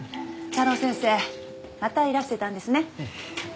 太郎先生またいらしてたんですね。